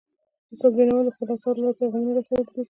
استاد بینوا د خپلو اثارو له لارې پیغامونه رسولي دي.